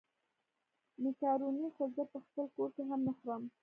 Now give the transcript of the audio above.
مېکاروني خو زه په خپل کور کې هم نه خورم.